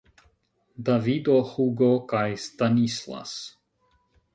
Davido, Hugo kaj Stanislas!